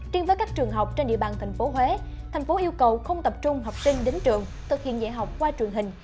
trên với các trường học trên địa bàn tp huế tp yêu cầu không tập trung học sinh đến trường thực hiện dạy học qua trường hình